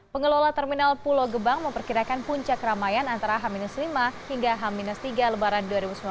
pengelola terminal pulau gebang memperkirakan puncak keramaian antara h lima hingga h tiga lebaran dua ribu sembilan belas